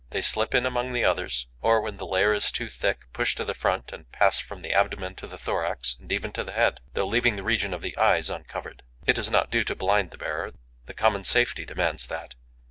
They slip in among the others, or, when the layer is too thick, push to the front and pass from the abdomen to the thorax and even to the head, though leaving the region of the eyes uncovered. It does not do to blind the bearer: the common safety demands that.